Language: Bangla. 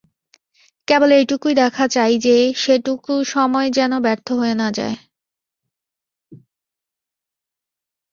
কেবল এইটুকুই দেখা চাই যে সেটুকু সময় যেন ব্যর্থ হয়ে না যায়।